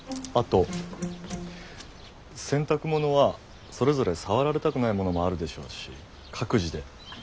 あと洗濯物はそれぞれ触られたくないものもあるでしょうし各自で。